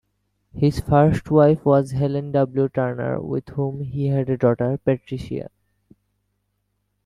His first wife was Helen W. Turner with whom he had a daughter, Patricia.